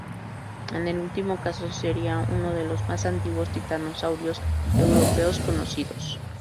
En el último caso sería uno de los más antiguos titanosaurios europeos conocidos.